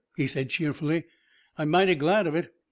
he said cheerfully. "I'm mighty glad of it.